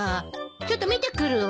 ちょっと見てくるわ。